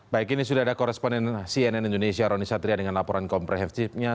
baik ini sudah ada koresponden cnn indonesia roni satria dengan laporan komprehensifnya